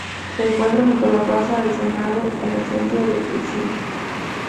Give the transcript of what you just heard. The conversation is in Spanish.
Se encuentra junto a la Plaza del Senado en el centro de Helsinki.